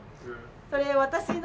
それ私の。